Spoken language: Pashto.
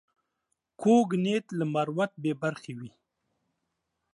کوږ نیت له مروت بې برخې وي